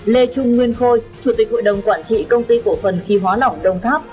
lê trung nguyên khôi chủ tịch hội đồng quản trị công ty cổ phần khí hóa lỏng đồng tháp